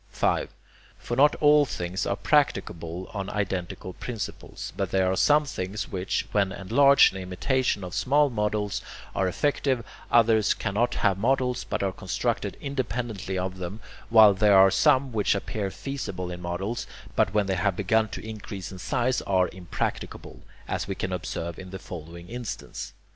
5. For not all things are practicable on identical principles, but there are some things which, when enlarged in imitation of small models, are effective, others cannot have models, but are constructed independently of them, while there are some which appear feasible in models, but when they have begun to increase in size are impracticable, as we can observe in the following instance.